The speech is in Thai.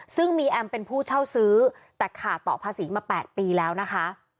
ซึ่งมีแอมเป็นผู้เช่าซื้อแต่ขาดต่อภาษีมา๘ปีแล้วนะคะ